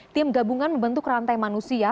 tim gabungan membentuk rantai manusia